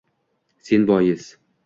Sen bois